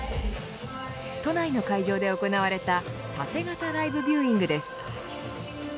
都内の会場で行われた縦型ライブビューイングです。